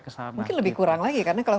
ke sana mungkin lebih kurang lagi karena kalau